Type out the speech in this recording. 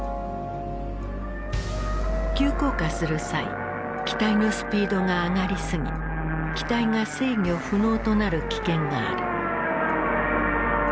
急降下する際機体のスピードが上がり過ぎ機体が制御不能となる危険がある。